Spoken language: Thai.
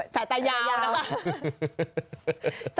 ใส่ตายาวนะคะ